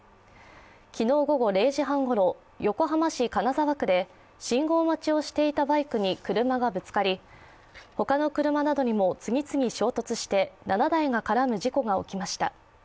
昨日午後０時半ごろ横浜市金沢区で信号待ちをしていたバイクに車がぶつかり、他の車などにも次々衝突して７台が絡む事故が起きました。